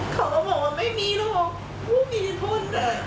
เขาก็บอกว่าไม่มีหรอกผู้มีอิทธิพลน่ะ